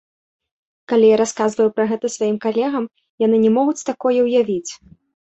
Калі я расказваю пра гэта сваім калегам, яны не могуць такое ўявіць.